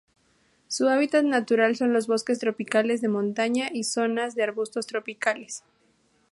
Su hábitat natural son los bosques tropicales de montaña y zonas de arbustos tropicales.